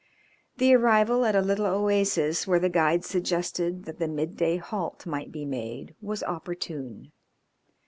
The arrival at a little oasis where the guide suggested that the midday halt might be made was opportune.